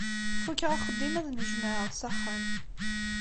Fukkeɣ axeddim ad nnejmaɛeɣ s axxam.